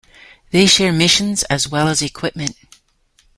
They share missions as well as equipment.